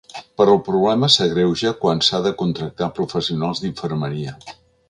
Però el problema s’agreuja quan s’ha de contractar professionals d’infermeria.